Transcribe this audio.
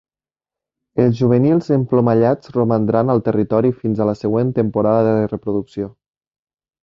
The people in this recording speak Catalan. Els juvenils emplomallats romandran al territori fins a la següent temporada de reproducció.